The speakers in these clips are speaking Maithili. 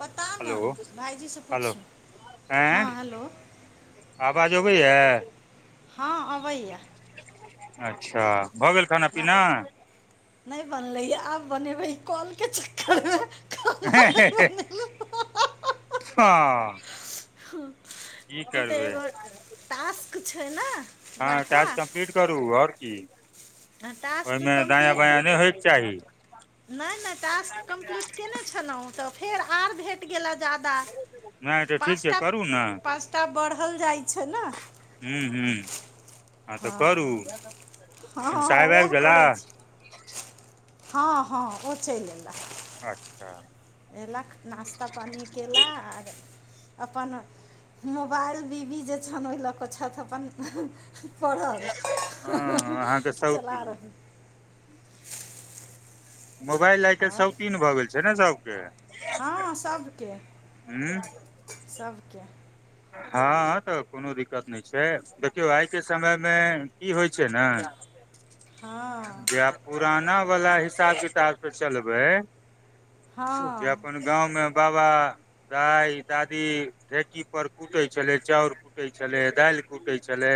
पता न हेलो भाइजीसँ हेलो पूछू, आँय हँ हेलो आवाज अबैयै- हँ अबैया अच्छा भऽ गेल खाना रा- पीना नहि बनलैये आब बनेबै कॉल के चक्करमें हँ की ई तऽ करबै एगो टास्क छै न हँ बड़का काज कम्प्लीट करू आओर की टास्क ओहिमे दायाँ बायाँ नहि होइके चाही नइ नइ टास्क कम्प्लीट कयने छलहुँ तऽ फेर आर भेट गेलए जा नहि तऽ ठीक पाँच छै करू ने पाँच बढ़ल जाइ छै। न हूँ हूँ हँ तऽ करू हँ हँ, हँ साहेब आबि उएह गेला। करै छी हँ हँ ओ चलि एलऽ। अच्छा। एला नास्ता पानी केला आर। अपन मोबाइल बीवी जे छनि ओहि लऽ कऽ छथि अपन। पड़ल हँ अहाँके सौती चला रहल। मोबाइल आइ काल्हि आओर सौतिन भऽ गेल छै। ने सबके। हँ सभके हूँ सभके। हँ तऽ कोनो दिक्कत नहि छै। देखियौ आइके समयमे की होइ छै। ने। हँ जे आब पुराना वला हिसाब किताब से चलबै। जे हँ अपन गाँवमे बाबा दाई दादी ढेकी। पर कूटै छलै चाउर कूटै छलै दालि कूटै छलै।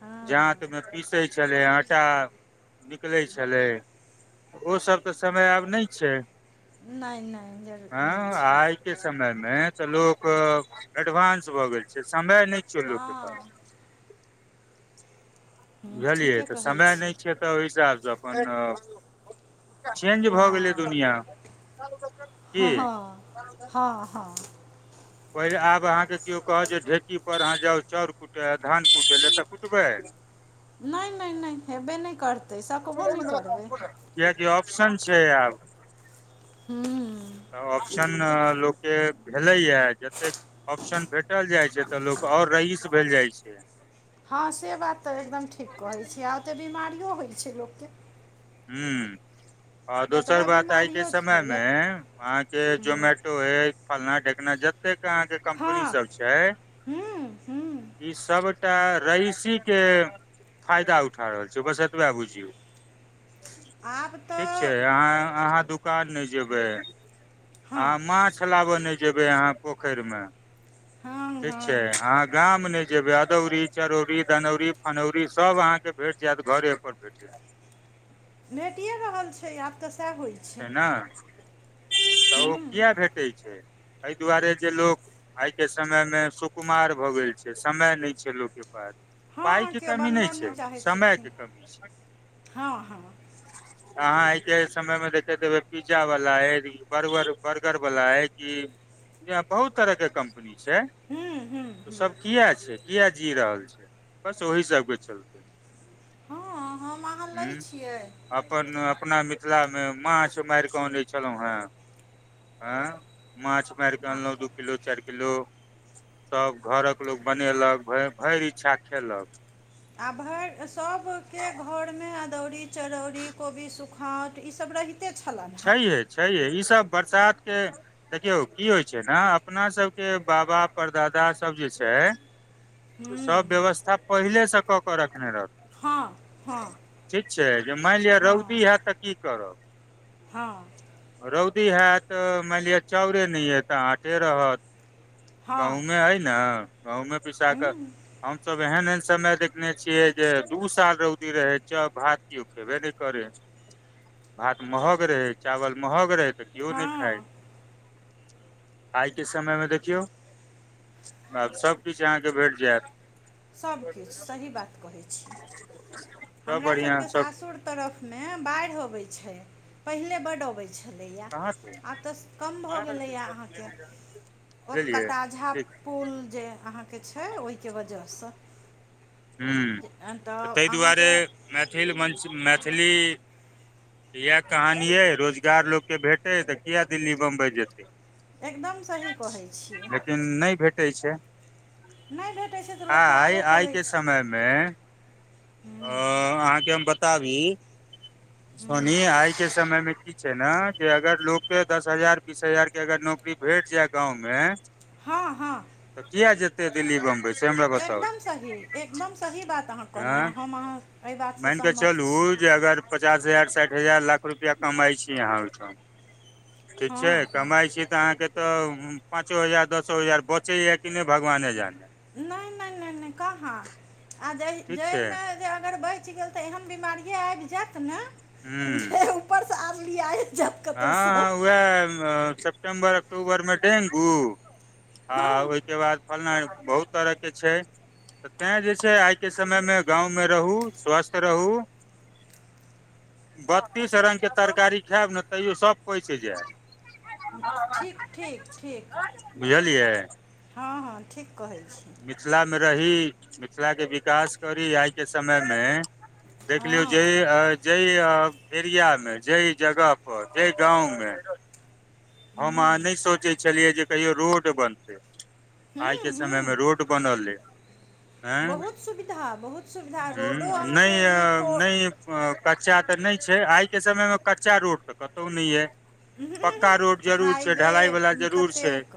हँ जातमे पीसैत छलै आटा निकलैत छलै। ओ सब तऽ समय आब नहि छै। नहि नहि जरूर नहि एँ छै आइ के समय तऽ लोक। एडवान्स भऽ गेल छै। समय नहि छै। लोक के हँ पास। हूँ बुझलियै ठीके तऽ कहय समय छी नहि छै। तऽ ओहि हिसाबसँ अपन चेंज भऽ गेलै दुनिया। हँ की हँ हँ हँ। पहिले आब अहाँके केओ कह जे ढेकी पर अहाँ जाउ चौर। कुटै धान कुटे ले तऽ कुटबै। नहि नहि नहि हेबे नहि करतै सकबो नहि करबै। किया कि ऑप्शन छै आब। हूँ। तऽ ऑप्शन लोकके भेलैया जैतेक। ऑप्शन भेटल जाइत छै। तऽ लोक आओर रईस भेल जाइत छै। हँ से बात तऽ एकदम ठीक कहैत छी आ ओतेक बीमारियो होइत छै। लोककेँ। हूँ आ दोसर ततबा बात आइ के बीमारियो समय छै मे जत अहाँके हँ जोमेटो अय फलना ढेकना जतेक अहाँके कम्पनी सब हँ छै। हूँ हूँ ई सबटा रईसी के फायदा उठा रहल छै। बस एतबेए बुझियौ। आब ठीक छै तऽ अहाँ अहाँ दुकान नहि जेबै। हँ अहाँ माछ लाबऽ नहि जेबै अहाँ पोखरिमे। हँ। ठीक छै। हँ अहाँ गाम नहि जेबै अदौरी चरौरी दनौरी फनौरी सब अहाँके। भेट जायत घरे पर भेठ जायत। भेटिये रहल छै आब तऽ सएह होइ। छै न तऽ ओ हूँ किया भेटै छै एहि दुआरे जे लोक। आइके समयमे सुकुमार भऽ गेल छै समय नहि छै लोकके पास। हँ पाइके केओ कमी बनबय नहि छै चाहै छथिन समयके कमी छै। हँ हँ अहाँ आइके समयमे देख देखैत हेबै पिज्जा वला ऐ बर्बर बर्गर वला ऐ कि या बहुत तरहके कम्पनी छै हूँ हूँ त हूँ सब किए छै किए जी रहल छै बस ओहि सबके चलते हँ हम अहाँ लै ह छियै अपन अपना मिथिलामे माछ मारिके आनै छलौ हें एं माछ मारिके आ अनलहु दु किलो चारि किलो सब घरक लोक बनेलक, भय भरि इच्छा खेलक। आ भरि सभके घरमे अदौरी, चरौरी, कोबी सुखौंत ई सब रहि छैहे छैहे ई सब बरसातके देखियौ की होइ छै ने अपना सबके बाबा परदादा सब जे छै सब हूँ व्यवस्था पहिलेसँ कऽ कऽ रखने रह हँ हँ ठीक छै जे मानि लिअ हँ रौदी हैत तऽ की करब हँ रौदी हैत मानि लिअ चाउरे नहि अय तऽ आटे रहत। हँ गंहूमे अइ ने गंहूमे पिसा कऽ हूँ हमसब एहन एहन समय देख देखने छियै जे दू साल रौदी रहै चाउ भात किओ खेबे नहि करै भात महग रहै चावल महग रहै तऽ किओ नहि खाइ। हँ आइ के समय मे देखियौ आब सभकिछ अहाँके भेट जैत। सभकिछ सही बात कहै छी। [unintelligible] हमरा बढ़ियां सबके सब सासुर तरफमे बाढ़ि अबै छै पहिले बड अबै छै छलैया कहाँ छै आब तऽ कम भऽ गेलैया अहाँके ओ बुझलियै कटाझा ठीक पुल जे अहाँ के छै ओहिके वजहस हम्म तऽ ताहि दुआरे अहाँके मैथिल मञ्च मैथिली तऽ इएह कहानी अइ रोजगार लोकके भेटै तऽ किए दिल्ली, बम्बइ जेतै। एकदम सही कहै छियै। लेकिन नहि भेटै छै। नहि भेटै छै तऽ लोकके आबऽ पड़ै छै। समयमे अ अहाँके हम बताबी सोनीये आइके समयमे ई छै ने जे अगर लोक के दस हजार बीस हजार के अगर नौकरी भेट जाय गाँंव मे हँ हँ तऽ किया जेतै दिल्ली बम्बई से हमरा बता एकदम सही एकदम सही बात अहाँ कहलौ आँ हँ हम अहाँ अहि बातसँ मान के सहमत चलू छी। जे अगर पचास हजार साठि हजार लाख रुपया कमाई छी अहाँ ओहिठाम ठीक छै हँ हँ कमाइ छी तऽ अहाँके तऽ पाँचो हजार दसो हजार बचैया कि नै भगवाने जानै नहि नहि नहि नहि कहाँ आ जहि ठीक छै जाहिमे में अगर बैच गेल तऽ एहन बिमारीये आबि जैत न हूँ जे उप उपरस आर लियाए जैत। हँ हँ उएह सेप्टेम्बर अक्टूबरमे डेंगू आ हँ ओहिके बाद फल्ला बहुत तरहके छै। तऽ तैं जे छै, आइके समयमे गाँवमे रहू स्वस्थ रहू। बत्तीस रंग के तरकारी खैब ने तैयो सब पैच जैत ठीक- ठीक -ठीक बुझलियै? हँ हँ ठीक कहै छी। मिथिला मे रही, मिथिलाके विकास करी, आइके समयमे। देखलियौ जे हँ जाहि आ एरिया मे, जाहि जगह पर जाहि गाँंव मे। हम हूँ अहाँ नहि सोचै छलियै जे कहियो रोड बनतै। आइके हूँ हूँ समयमे रोड बनल अय। एं बहुत सुविधा बहुत सुविधा रोडो हूं नै अहाँके ई आयेब फोर नहि कच्चा तऽ नहि छै, आइ के समय मे कच्चा रोड तऽ कतौ नहि अय। पक्का रोड जरूर छै, हाईवे ढलाई वला जरूर छै। कतेक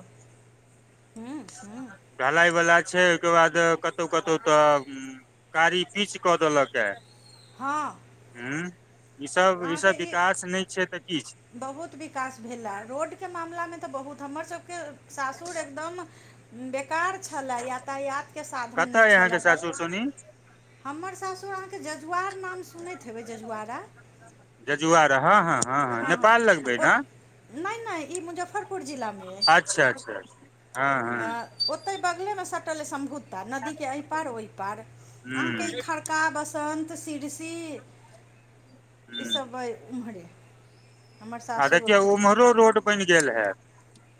हूँ हूँ ढलाई वला छै, ओहिके बाद कतौ कतौ तऽ ह्म्म कारी पीच कऽ देलक है। हँ। ह्म्म ईसभ अहाँके -ईसभ ई विकास नहि छै, तऽ कि छै? बहुत विकास भेलए, रोडके मामलाामे तऽ बहुत हमर सभके सासुर एकदम बेकार छलय यातायातके साधन नहि छलय तऽ। सुनी। [unintelligible] हमर सासुर अहाँके जजुआर नाम सुनैत हेबै, जजुआरा। जजुआर हँ- हँ- हँ - हँ नेपाल लग हँ मे ओ न। नहि नहि ई मुजफ्फरपुर जिलामे अइ अच्छा अच्छा हँ हँ। ओते बगले मे सटले सम्भुता नदी के एहि पार ओहि पार अहाँके ई ह ह खर। का बसन्त सिरसी ई सब ओर उमहरे। आ देखियौ उम्हरो रोड बनि गेल हे।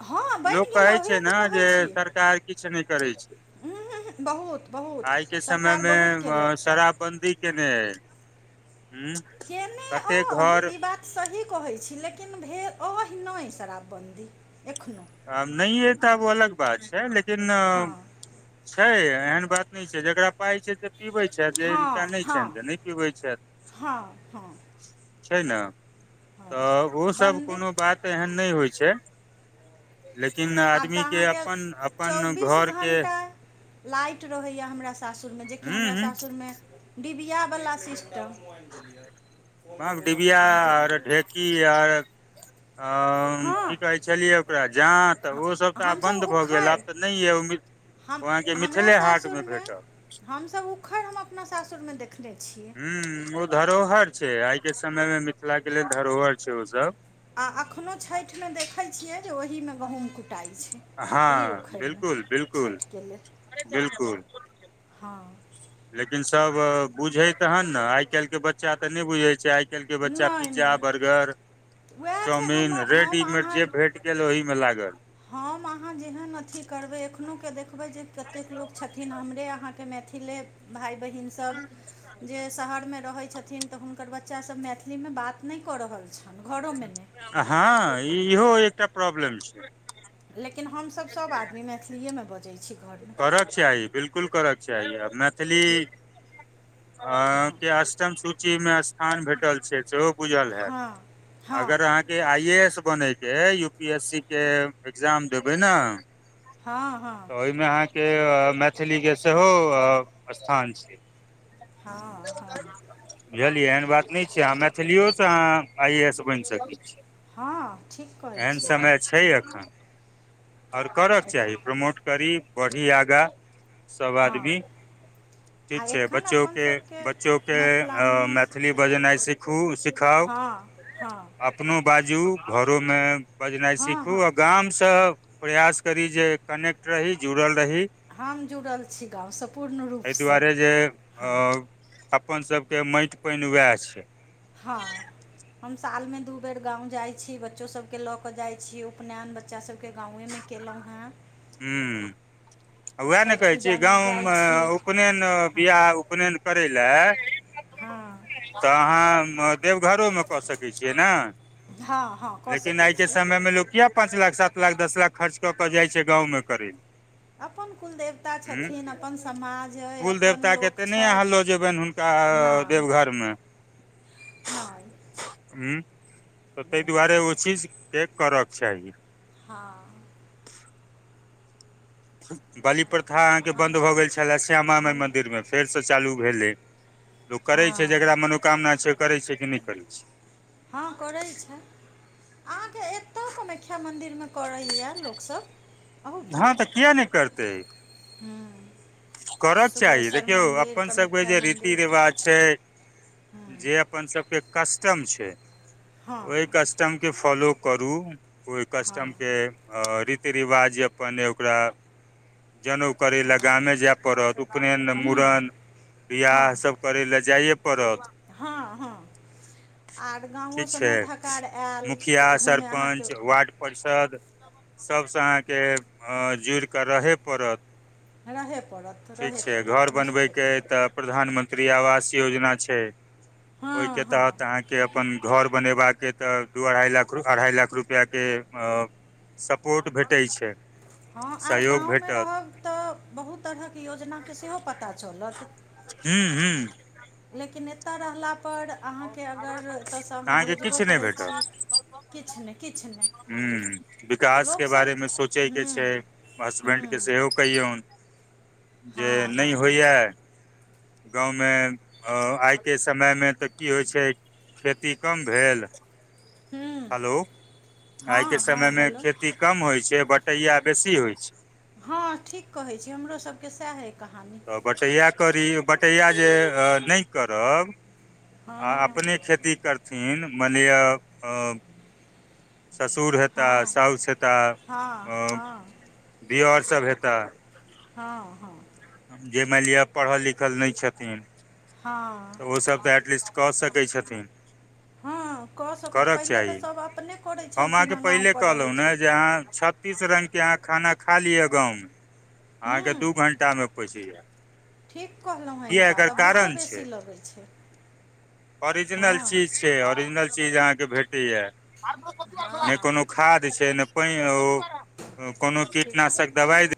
हँ लोक बनि गेल कहै हँ ओही छै, लए ने तऽ कहै जे छी सरकार किछु नहि करै छै। उम्म, बहुत बहुत आइ के समय सरकार मे बहुत केलक ये शराब बन्दी केने है। ह्म्म केने ओ ई बात सही कहै छी, लेकिन भेल अइ नहि शराबबन्दी एखनोहु। नहिऐ तऽ वो अलग बात छै, लेकिन हँ छै एहन बात नहि छै। जेकरा पाइ छै से पीबे छै। जे हिनका हँ नहि छैन त हँ नै पीबै छैथ। हँ हँ छै ने हँ तऽ ओ सब बन्दित कोनो बात एहन नहि होइ छै। लेकिन आब तऽ आदमी के अहाँके अपन अपन चौबीस घर के घण्टा लाइट रहैए हमरा सासुरमे, जेकि हूँ हमरा सासुरमे डिबिया बला सिस्टम जे की आर अंअ त की हँ कहै छलियै ओकरा जात, तऽ ओसभ ह- तऽ आब हमसब बन्द भऽ गेल, उखड़ि आब तऽ नहि यए ओ। हम ओ अहाँके मिथिले हाटमे भेटत। हमसब उखड़ हम अपना सासुर मे देखने छियै। ह ओ धरोहर छै आइ के समय मे मिथिला के लेल धरोहर छै ओ सब। आ एखनो छठिमे देखै छियै जे ओहिमे गहुँम कुटाइ छै। ओही हँ उखड़िमे बिलकुल बिलकुल छठिके लेल बिलकुल हँ। लेकिन सब बुझे तहन ने आइ काल्हि के बच्चा ते नहि बुझे छै आइ। केलक बच्चा नहि पिज्जा नहि बर्गर उएह छै चाउमिन हमर हम रेडीमेड अहाँ जे भेट गेल ओहिमे लागल। हम अहाँ जेहन अथी करबै एखनहु के देखू। देखबै जे कतेक लोक छथिन हमरे अहाँके मैथिले। भाइ बहिन सब जे शहरमे रहै छथिन। तऽ हुनकर बच्चासभ मैथिलीमे बात नहि कऽ रहल छनि घरोमे। हँ इहो एकटा प्रॉब्लम छै। लेकिन हमसभ सब आदमी मैथिलीएमे बजैत छी घरमे। करक चाही बिल्कुल करक चाही अ मैथिली हँ के अष्टम सूची मे स्थान भेटल छै। बुझल हैत हँ अगर हँ अहाँ। आई ए एस बनके यू पी एस सी के एग्जाम देबै ने। हँ हँ। तऽ ओहिमे अहाँके मैथिलीके सेहो स्थान छै। हँ हँ। बुझलियै एहन बात नहि छै अहाँ मैथिलियोसँ अहाँ आइ ए एस बनि सकै छी। हँ ठीक कहै केहन छी अहाँ समय छैय एखन आओर करक चाही एखन प्रमोट करी बढ़ी आगाँ सँभ आदमी हँ आ ठीक छै एखन बच्चो अपन के सभके बच्चो के अ मैथिलानियो मैथिली बजेनाइ सिखू सिखाउ हँ हँ अपनो बाजू घोरोमे बजनाइ हँ सीखू आ हँ गाम से प्रयास करी जे कनेक्ट रही जुड़ल रही। हम जुड़ल छि गामवसँ पूर्ण एहि रूपसँ दुआरे जे अ हाँ अपन सब के मैट पान वएह छैय। हाँ। हम साल में दू बेर गाँंव जाइ छीय बच्चो सब के लऽ के जाय छीय उपनयन बच्चा सब के गांवेमे केलहुँ हेँ हुँ।। उएह ने छठि कहैत छीय पूजामे जाइ गांमवमे छी उपनयन हँ बियाह उपनयन करै लए। हाँ।। तऽ हम देवघरमे कऽसके छीय हँ हँ नहि कऽ लेकिन सकै आइ के छी समयमे लोक किया पाँच लाख सात लाख दस लाख खर्च कऽ कऽ जाइ छैय गाँवमे करि अपन कुलदेवता उ छथिन अपन समाज अइ कुल अपन देवता के लोक ते नहि अहाँ छथि लऽ जेबनिु हुन का नहि देवघरमे। नहि। फु उ तऽ ताहि नहि लऽ दुआरे ओ जेबै चीज [unintelligible] के करके चाही हाँ। बलि प्रथा नहि अहाँके हम बन्द भऽ गेल छलए श्यामा माइ हम मन्दिर मे फेर से चालू भेलै। लोक करै छैय हँ जकरा मनोकामना छैय ओ करै छैय कि नै करै छैय। हह करै छैय। अहाँके एत्तौ कामख्या मन्दिर मे करैये लोकसब। हाँ तऽ किया ने करतैक। हुँ। करऽक चाही देखियौ अपन सबके कामाख्या जे रीति मन्दिर रिवाज छैय हूँ जे अपन सबके कस्टम छै ओइ कस्ट हँ कस्टम के फॉलो करू ओइ हँ कस्टमके आ रीति रिवाज जे अपन अइ ओकरा जनेउ करै लए गामे हँ जेएब। पड़त उपनयन हूँ मुड़न बियाह सब करै लए जाइए पड़त। हॅंअ हॅंअ। आर गाँवो ठीक सँ छै नोत- हकार आयल मुखिया तऽ ओहूमे सरपञ्च अहाँके वार्ड परिषद सबसँ अहाँके जुड़िकऽ रहय पड़त। रहय पड़त। ठीक रहय छैय पड़त घर निश्चित बनबयके तऽ प्रधानमंत्री आवास योजना छैय। ओइके हँ हँ तहत अहाँ के अपन घर बनेबाक अइ तऽ दू अढ़ाइ लाख - अढ़ाइ लाख रुपया के सपोर्ट भेटैय छैय। हॅं आर गाँव मे रहब तऽ बहुत तरहक योजना के सेहो पता चलत। हुँ हूँ। लेकिन एतऽ रहलापर अहाँके अगर एतऽ सँ अहाँ अहाँके भेजबो किछु नहि करै छी किछ ने किछ ने। हुँ विकास के बारे मे सोचै के ह्म्म छैय हसबैंड के ह्म्म सेहो कहियौन जे हँ नै हँ होइये गाँव मे आइ के समय मे तऽ की होइ छैय खेती कम भेल ह्म्म हेलो, आइके हँ हँ समयमे हेलो खेती कम होइ छैय बटैया बेसी होइ छै। हँ ठीक कहै छै हमरो सबके सेएह अइ कहानी। तऽ बटैया करी बटैया जे ए नहि करब आ हँ अपने खेती करथिन मनि लियऽ ससुर हेताह हँ साउस हेताह हँ अ हँ दीयर सभ हेता। हँ हँ। जे मानि लियऽ पढ़ल लिखल नै छथिन हँ। ओ सब तऽ एटलीस्ट कऽ सकै छथिन। हँ कऽ सकै छ करक पहिले तऽ चाही सब अपने करै हम छलखिन हें गाँव पर रहै छल तीस रङ्गके अहाँ खाना खा लियऽ गाँवमे अहाँके हूँ दू घण्टा मे पैच जायत। ठीक कहलहुँ हें ई किया बात एकर आ भूखो कारण बेसी छै लगै छै। ओरिजिनल हँ चीज छै ओरिजिनल चीज अहाँके भेटैये। नै हँ कोनो खाद छै नै पैयोओ। कोनो ठीक कहै कीटनाशक छी दवाई